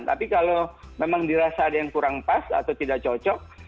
tapi kalau memang dirasa ada yang kurang pas atau tidak cocok